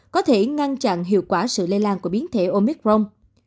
có thể ngăn chặn hiệu quả sự lây lan của biến thể omicron